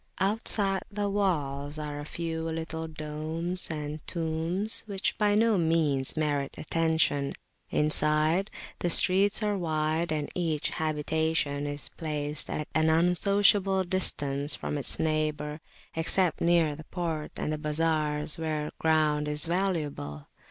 Outside the walls are a few little domes and tombs, which by no means merit attention. Inside, the streets are wide; and each habitation is placed at an unsociable distance from its neighbour, except near the port and the bazars, where ground is valuable.